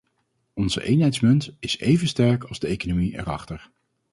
Onze eenheidsmunt is even sterk als de economie erachter.